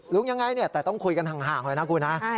ลุงยังไงแต่ต้องคุยกันห่างหน่อยนะคุณ